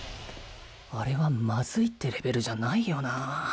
あれはマズいってレベルじゃないよな